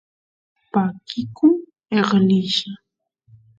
pakikun eqlilla